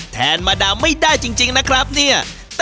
แทนมาดามไม่ได้จริงนะครับเนี่ย